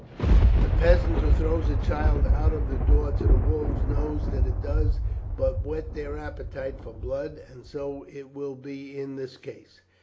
The peasant who throws a child out of the door to the wolves knows that it does but whet their appetite for blood, and so it will be in this case.